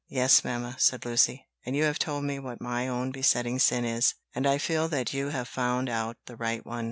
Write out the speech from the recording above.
"Yes, mamma," said Lucy, "and you have told me what my own besetting sin is, and I feel that you have found out the right one.